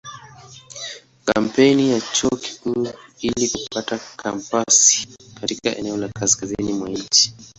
Kampeni ya Chuo Kikuu ili kupata kampasi katika eneo la kaskazini mwa nchi.